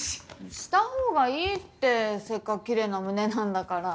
した方がいいってせっかく奇麗な胸なんだから。